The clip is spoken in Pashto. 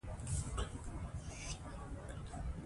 دوی وویل چې دښمن تار په تار سو.